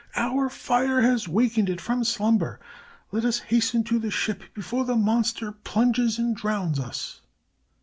"Our fire has wakened it from slumber. Let us hasten to the ship before the monster plunges and drowns us."